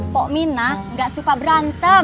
poh minah gak suka berantem